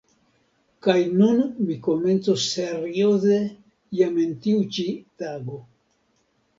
Kaj nun mi komencos serioze jam en tiu ĉi tago.